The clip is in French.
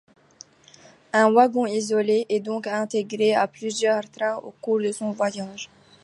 Un wagon isolé est donc intégré à plusieurs trains au cours de son voyage.